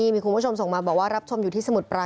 มีคุณผู้ชมส่งมาบอกว่ารับชมอยู่ที่สมุทรปรา